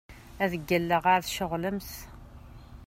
Ad d-ggalleɣ ar tceɣlemt.